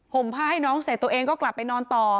ผ้าให้น้องเสร็จตัวเองก็กลับไปนอนต่อ